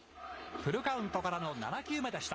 フルカウントからの７球目でした。